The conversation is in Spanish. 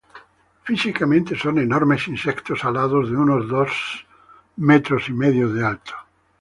Físicamente son enormes insectos alados de unos dos metros y medio de alto.